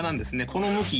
この向き。